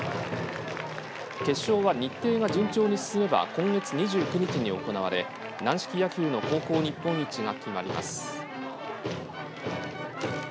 決勝は日程が順調に進めば今月２９日に行われ軟式野球の高校日本一が決まります。